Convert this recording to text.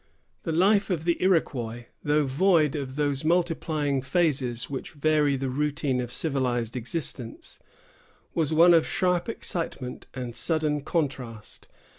The life of the Iroquois, though void of those multiplying phases which vary the routine of civilized existence, was one of sharp excitement and sudden contrast.